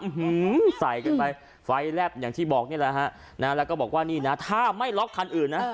หือใส่กันไปไฟแลบอย่างที่บอกนี่แหละฮะนะแล้วก็บอกว่านี่นะถ้าไม่ล็อกคันอื่นนะ